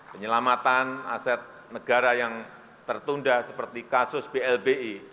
penyelamatan aset negara yang tertunda seperti kasus blbi